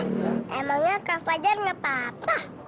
emangnya kak fajar nggak apa apa